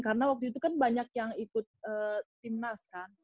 karena waktu itu kan banyak yang ikut timnas kan